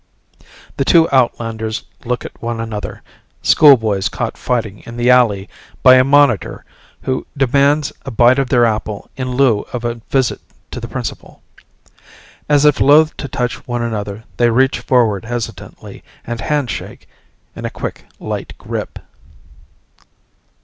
The two outlanders look at one another; schoolboys caught fighting in the alley by a monitor who demands a bite of their apple in lieu of a visit to the principal. As if loath to touch one another they reach forward hesitantly and handshake in a quick light grip.